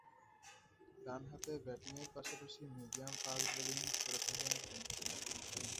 ডানহাতে ব্যাটিংয়ের পাশাপাশি মিডিয়াম ফাস্ট বোলিং করে থাকেন তিনি।